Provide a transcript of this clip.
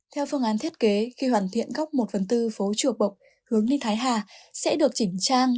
theo phương án thiết kế khi hoàn thiện góc một phần tư phố chùa bộc hướng đi thái hà sẽ được chỉnh trang